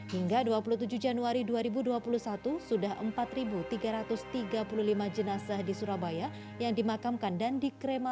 hingga dua puluh tujuh januari dua ribu dua puluh satu sudah empat tiga ratus tiga puluh lima jenazah di surabaya yang dimakamkan dan dikrema